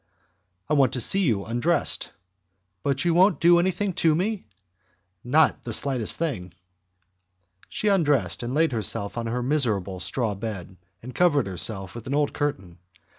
"I want to see you undressed." "But you won't do anything to me?" "Not the slightest thing." She undressed, laid herself on her miserable straw bed, and covered herself with an old curtain.